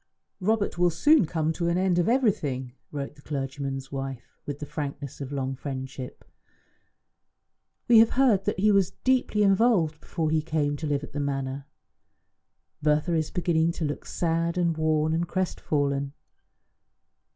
"Robert will soon come to an end of everything," wrote the clergyman's wife with the frankness of long friendship. "We have heard that he was deeply involved before he came to live at the Manor. Bertha is beginning to look sad and worn and crestfallen.